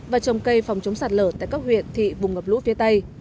và trồng cây phòng chống sạt lở tại các huyện thị vùng ngập lũ phía tây